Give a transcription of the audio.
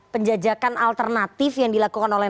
penjajakan alternatif yang dilakukan oleh